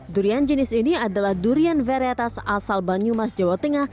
durian jenis ini adalah durian varietas asal banyumas jawa tengah